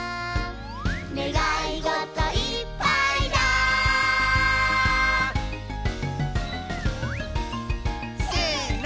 「ねがいごといっぱいだ」せの！